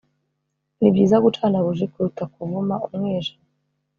nibyiza gucana buji kuruta kuvuma umwijima